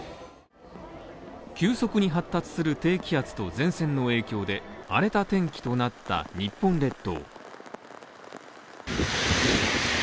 急速に発達する低気圧と前線の影響で荒れた天気となった日本列島。